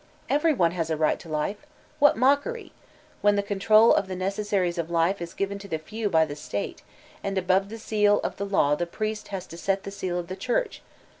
Everyone has a right to life! Whatmodceryl When the control of the necessaries of life is given to the few by the State, and above the seal of the law the priest has set the seal of the Church!